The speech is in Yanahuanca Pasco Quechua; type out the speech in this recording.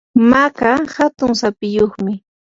maka hatun sapiyuqmi.